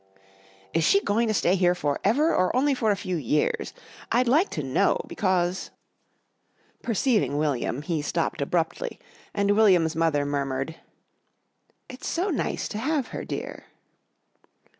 "Is she going to stay here for ever, or only for a few years? I'd like to know, because " Perceiving William, he stopped abruptly, and William's mother murmured: "It's so nice to have her, dear."